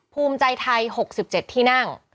ภูมิใจไทย๖๗ที่นั่ง